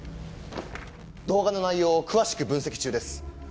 動画の内容を詳しく分析中です。